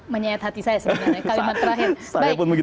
menyayat hati saya sebenarnya kalimat terakhir